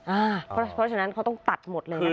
อ่าเพราะฉะนั้นเขาต้องตัดหมดเลยนะครับ